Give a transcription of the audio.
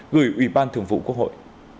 gửi ủy ban thường vụ quốc hội